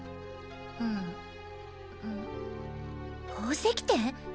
うんうん宝石店？